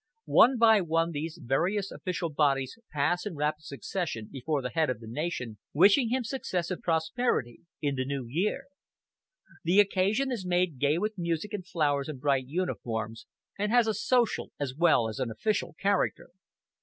One by one these various official bodies pass in rapid succession before the head of the nation, wishing him success and prosperity in the New Year. The occasion is made gay with music and flowers and bright uniforms, and has a social as well as an official character.